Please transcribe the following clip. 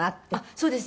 そうです。